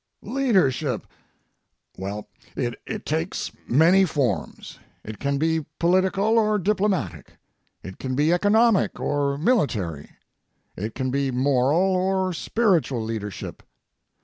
Leadership, well, it takes many forms. It can be political or diplomatic. It can be economic or military. It can be moral or spiritual leadership.